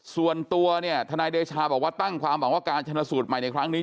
ส่วนตัวเนี่ยทนายเดชาบอกว่าตั้งความหวังว่าการชนสูตรใหม่ในครั้งนี้